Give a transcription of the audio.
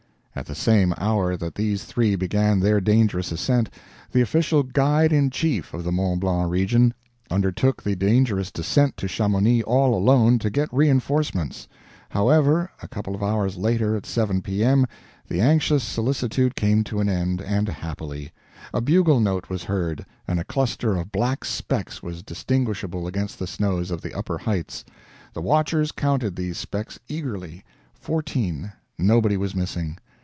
At the same hour that these three began their dangerous ascent, the official Guide in Chief of the Mont Blanc region undertook the dangerous descent to Chamonix, all alone, to get reinforcements. However, a couple of hours later, at 7 P.M., the anxious solicitude came to an end, and happily. A bugle note was heard, and a cluster of black specks was distinguishable against the snows of the upper heights. The watchers counted these specks eagerly fourteen nobody was missing.